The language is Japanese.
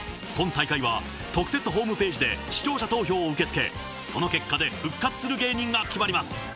今大会は特設ホームページで視聴者投票を受け付けその結果で復活する芸人が決まります。